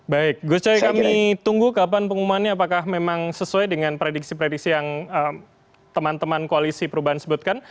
baik gus coy kami tunggu kapan pengumumannya apakah memang sesuai dengan prediksi prediksi yang teman teman koalisi perubahan sebutkan